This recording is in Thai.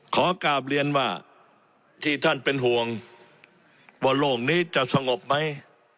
ขอกราบเรียนว่าที่ท่านเป็นห่วงว่าโลกนี้จะสงบไหม